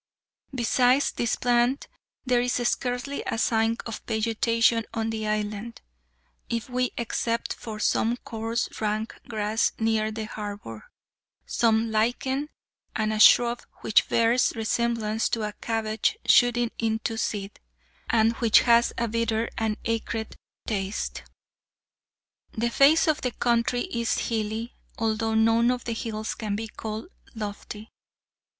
Besides this plant there is scarcely a sign of vegetation on the island, if we except some coarse rank grass near the harbor, some lichen, and a shrub which bears resemblance to a cabbage shooting into seed, and which has a bitter and acrid taste. The face of the country is hilly, although none of the hills can be called lofty.